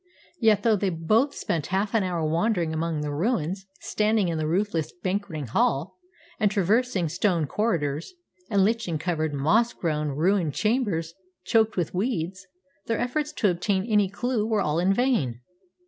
Yet, though they both spent half an hour wandering among the ruins, standing in the roofless banqueting hall, and traversing stone corridors and lichen covered, moss grown, ruined chambers choked with weeds, their efforts to obtain any clue were all in vain.